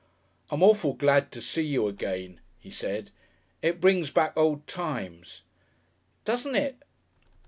"I'm awful glad to see you again," he said; "it brings back old times." "Doesn't it?"